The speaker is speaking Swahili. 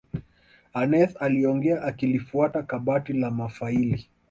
aneth aliongea akilifuata kabati la mafaili